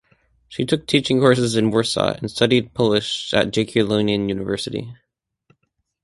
She took teaching courses in Warsaw and studied Polish at Jagiellonian University.